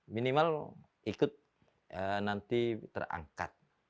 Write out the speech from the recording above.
minimal ikut nanti terangkat